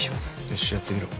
よしやってみろ。